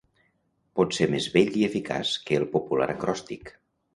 Potser més bell i eficaç que el popular acròstic.